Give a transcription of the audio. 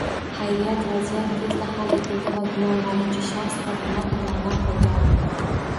Hayriyat vaziyat tezda hal etildi va gumonlanuvchi shaxs xodimlar tomonidan qoʻlga olindi.